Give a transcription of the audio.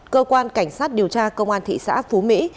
cơ quan cảnh sát điều tra công an thị xã phú mỹ